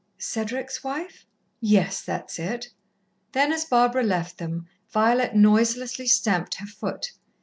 "Cedric's wife?" "Yes, that's it." Then, as Barbara left them, Violet noiselessly stamped her foot.